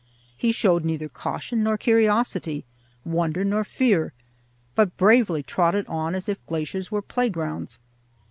He showed neither caution nor curiosity, wonder nor fear, but bravely trotted on as if glaciers were playgrounds.